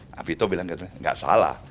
nah vito bilang nggak salah